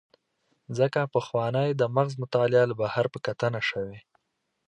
ځکه پخوانۍ د مغز مطالعه له بهر په کتنه شوې.